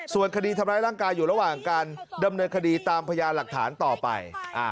ส่วนคดีทำร้ายร่างกายอยู่ระหว่างการดำเนินคดีตามพยานหลักฐานต่อไป